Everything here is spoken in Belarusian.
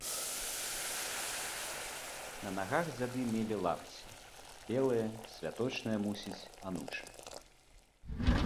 На нагах дзяды мелі лапці, белыя, святочныя, мусіць, анучы.